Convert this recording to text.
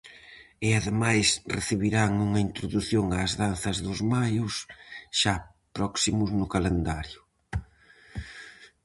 E ademais recibirán unha introdución ás danzas dos maios, xa próximos no calendario.